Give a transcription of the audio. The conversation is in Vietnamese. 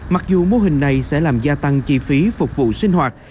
mặc dù mô hình này sẽ làm gia tăng chi phí phục vụ sinh hoạt